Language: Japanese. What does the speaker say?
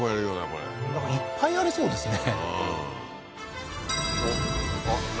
これなんかいっぱいありそうですね